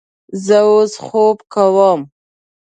زه اوس خوب کوم